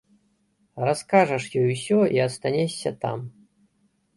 Раскажаш ёй усё і астанешся там.